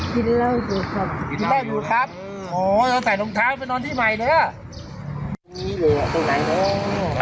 กินเล่าอยู่ครับอ๋อแล้วใส่รองเท้าไปนอนที่ใหม่เลยอ่ะ